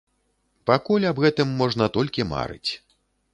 Пакуль аб гэтым можна толькі марыць.